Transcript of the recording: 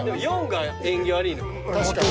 ４が縁起悪いのか。